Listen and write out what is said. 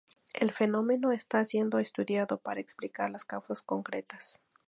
El fenómeno está siendo estudiado para explicar las causas concretas.